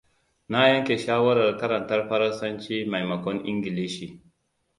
Na yanke shawarar karantar faransanci maimakon ingilishi.